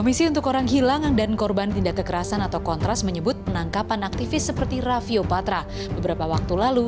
komisi untuk orang hilang dan korban tindak kekerasan atau kontras menyebut penangkapan aktivis seperti raffio patra beberapa waktu lalu